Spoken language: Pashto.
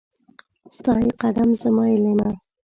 ستا يې قدم ، زما يې ليمه.